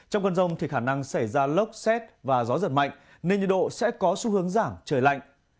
trong cơn rông thì khả năng xảy ra lốc xét và gió giật mạnh nên nhiệt độ sẽ có xu hướng giảm trời lạnh